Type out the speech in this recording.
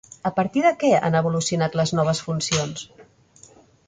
A partir de què han evolucionat les noves funcions?